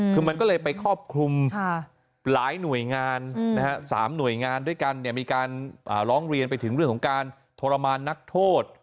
คือมันก็เลยไปครอบคลุมหลายหน่วยงาน๓หน่วยงานด้วยกันมีการร้องเรียนไปถึงเรื่องของการทรมานนักโทษ